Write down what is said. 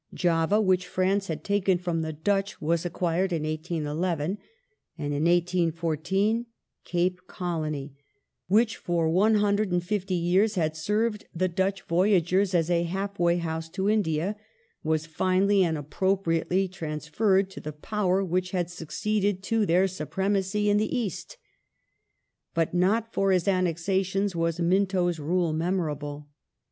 Java, which France had taken from the Dutch, was acquired in 1811, and in 1814 Cape Colony, which for one hundred and fifty years had served the Dutch voyagers as a half way house to India, was finally and appropriately transferred to the Power which had succeeded to their supremacy in the East. But not for his annexations was Minto's rule memorable.